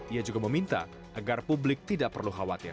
ia juga meminta agar publik tidak perlu khawatir